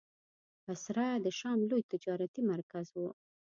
بصره د شام لوی تجارتي مرکز و.